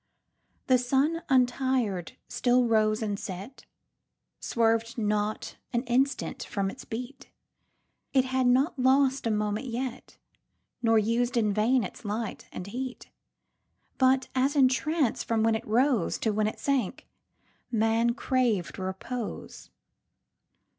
The sun, untir'd, still rose and set,—Swerv'd not an instant from its beat; It had not lost a moment yet, Nor used in vain its light and heat; But, as in trance, from when it roseTo when it sank, man crav'd repose.